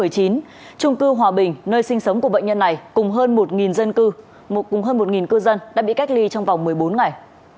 trung cư hòa bình nơi sinh sống của bệnh nhân này cùng hơn một dân cư cùng hơn một cư dân đã bị cách ly trong vòng một mươi bốn ngày